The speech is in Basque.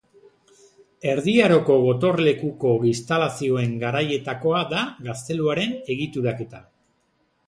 Erdi Aroko gotorlekuko instalazioen garaietakoa da gazteluaren egituraketa.